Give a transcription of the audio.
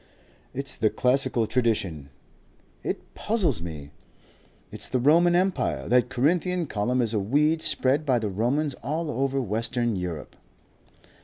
"It's the classical tradition." "It puzzles me." "It's the Roman Empire. That Corinthian column is a weed spread by the Romans all over western Europe."